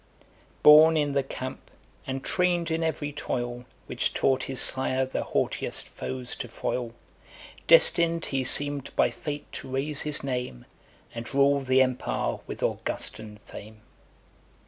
Born in the camp, and train'd in every toil Which taught his sire the haughtiest foes to foil; Destin'd he seem'd by fate to raise his name, And rule the empire with Augustan fame.